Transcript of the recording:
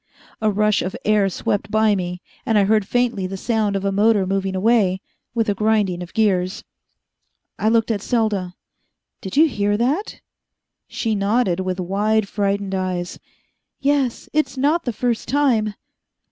A rush of air swept by me, and I heard faintly the sound of a motor moving away, with a grinding of gears. I looked at Selda. "Did you hear that?" She nodded, with wide, frightened eyes. "Yes. It's not the first time."